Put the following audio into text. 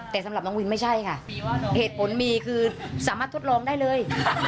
แต่สำหรับน้องวินไม่ใช่ค่ะเหตุผลมีคือสามารถทดลองได้เลย